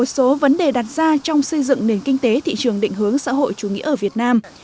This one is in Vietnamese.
một số vấn đề đặt ra trong xây dựng nền kinh tế thị trường định hướng xã hội chủ nghĩa ở việt nam